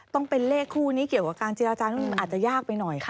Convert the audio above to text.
ต้องเป็นเลขคู่นี้เกี่ยวกับการเจรจานี่มันอาจจะยากไปหน่อยค่ะ